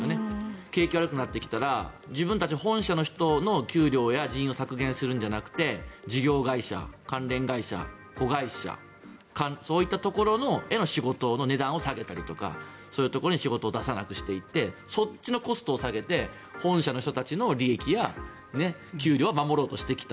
景気が悪くなってきたら自分たち本社の人の給料を削減するんじゃなくて事業会社、関連会社、子会社そういったところへの仕事の値段を下げたりとかそういうところに仕事を出さなくしていってそっちのコストを下げて本社の人たちの利益や給料は守ろうとしてきた。